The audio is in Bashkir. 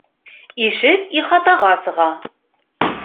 Ишек ихатаға сыға